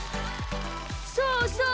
そうそう！